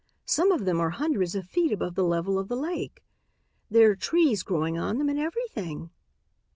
Some of them are hundreds of feet above the level of the lake. There are trees growing on them and everything."